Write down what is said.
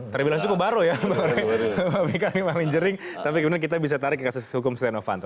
terbilang cukup baru ya tapi kita bisa tarik ke kasus hukum stenovanto